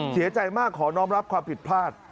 เสียใจมากขอน้องรับความผิดพลาด